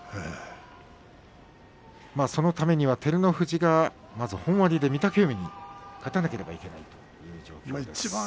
そのためには照ノ富士がまず本割で御嶽海に勝たなければならないという状況です。